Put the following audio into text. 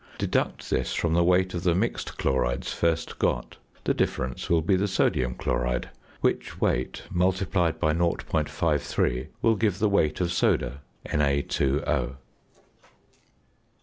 Deduct this from the weight of the mixed chlorides first got; the difference will be the sodium chloride, which weight, multiplied by 0.53, will give the weight of soda (Na_O).